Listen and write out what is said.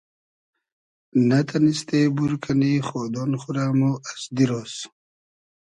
نۂ تئنیستې بور کئنی خۉدۉن خو رۂ مۉ از دیرۉز